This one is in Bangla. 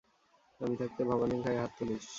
আমি থাকতে ভবানির গায়ে হাত তুলিস?